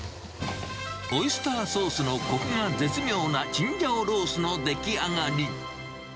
オイスターソースのこくが絶妙なチンジャオロースの出来上がり。